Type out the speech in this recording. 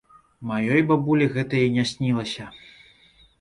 Маёй бабулі гэта і не снілася!